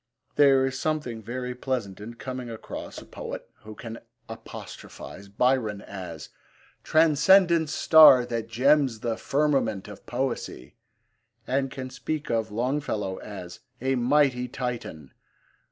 There is something very pleasant in coming across a poet who can apostrophise Byron as transcendent star That gems the firmament of poesy, and can speak of Longfellow as a 'mighty Titan.'